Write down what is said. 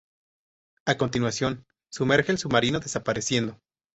A continuación sumerge el submarino desapareciendo.